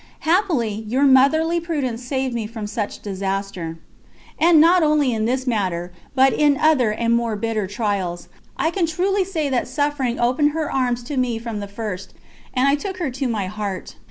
Happily, your motherly prudence saved me from such a disaster. And not only in this matter, but in other and more bitter trials, I can truly say that Suffering opened her arms to me from the first, and I took her to my heart.